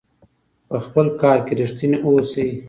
په خپل کار کې ریښتیني اوسئ.